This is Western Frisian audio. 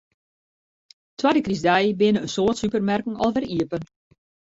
Twadde krystdei binne in soad supermerken alwer iepen.